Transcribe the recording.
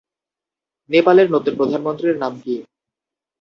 নেপালের নতুন প্রধানমন্ত্রীর নাম কী?